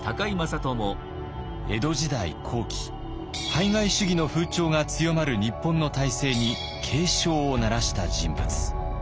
江戸時代後期排外主義の風潮が強まる日本の体制に警鐘を鳴らした人物。